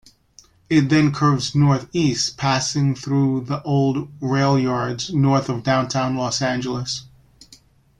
It then curves northeast, passing through the old railyards north of Downtown Los Angeles.